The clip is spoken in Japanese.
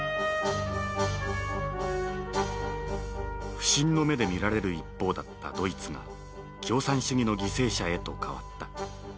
「不信の目で見られる一方だったドイツが共産主義の犠牲者へと変わった。